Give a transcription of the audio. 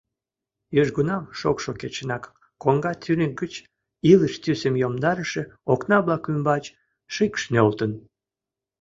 Южгунам шокшо кечынак коҥга тӱньык гыч, илыш тӱсым йомдарыше окна-влак ӱмбач, шикш нӧлтын.